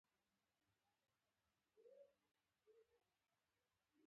موزیک د روحانه ښکارندوی دی.